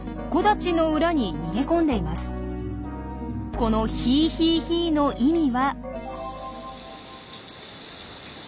この「ヒーヒーヒー」の意味は。